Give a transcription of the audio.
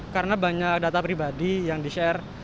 karena banyak data pribadi yang di share